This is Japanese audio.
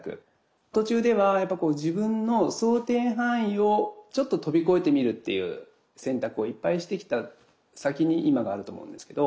途中ではやっぱこう自分の想定範囲をちょっと飛び越えてみるっていう選択をいっぱいしてきた先に今があると思うんですけど。